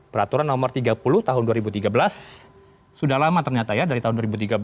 peraturan nomor tiga puluh tahun dua ribu tiga belas sudah lama ternyata ya dari tahun dua ribu tiga belas